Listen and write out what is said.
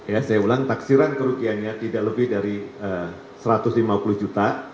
ya saya ulang taksiran kerugiannya tidak lebih dari satu ratus lima puluh juta